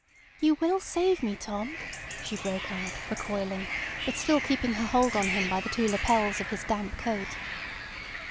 "You will save me, Tom," she broke out, recoiling, but still keeping her hold on him by the two lapels of his damp coat.